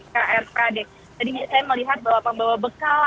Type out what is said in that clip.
jadi saya melihat bahwa pembawa bekas